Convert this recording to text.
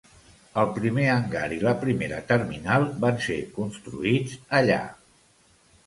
El primer hangar i la primera terminal van ser construïts allà.